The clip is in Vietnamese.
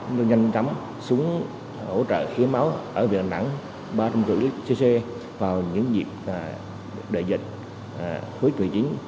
nâng nhanh cắm súng hỗ trợ khí máu ở việt nam ba trung tượng xe xe vào những dịp đợi dịch cuối tuổi chính